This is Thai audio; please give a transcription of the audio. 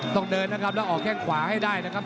ต้องเดินนะครับแล้วออกแข้งขวาให้ได้นะครับ